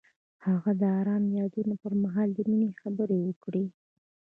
هغه د آرام یادونه پر مهال د مینې خبرې وکړې.